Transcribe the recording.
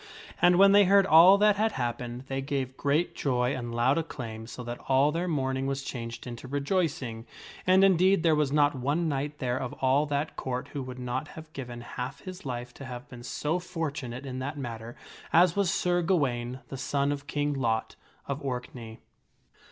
And when they heard all that had happened, they gave great joy and loud acclaim so that all their mourn ing was changed into rejoicing. And, indeed, there was not one knight there of all that Court who would not have given half his life to have been so fortunate in that matter as was Sir Gawaine, the son of King Lot of Orkney.